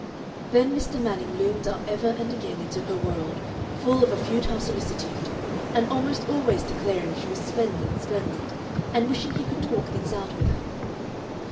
Then Mr. Manning loomed up ever and again into her world, full of a futile solicitude, and almost always declaring she was splendid, splendid, and wishing he could talk things out with her.